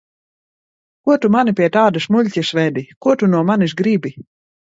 Ko tu mani pie tādas muļķes vedi? Ko tu no manis gribi?